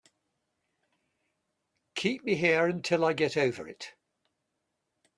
Keep me here until I get over it.